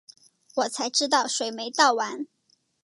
我才知道水没倒完